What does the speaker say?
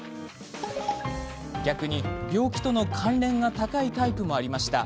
逆に病気との関連が高いタイプもありました。